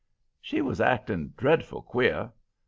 "She was acting dreadful queer.